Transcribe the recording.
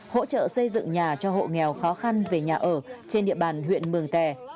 hỗ trợ xây dựng nhà cho hộ nghèo khó khăn về nhà ở trên địa bàn huyện mường tè